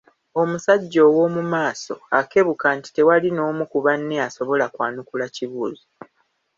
Omusajja ow’omu maaso akebuka nti tewali n’omu ku banne asobola kwanukula kibuuzo.